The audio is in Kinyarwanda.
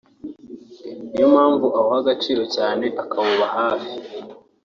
niyo mpamvu awuha agaciro cyane akawuba hafi